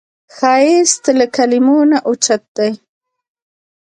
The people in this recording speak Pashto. ښایست له کلمو نه اوچت دی